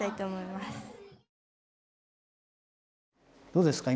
どうですか？